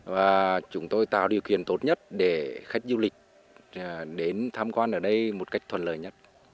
và chúng tôi tạo điều kiện tốt nhất để khách du lịch đến tham quan ở đây một cách thuận lợi nhất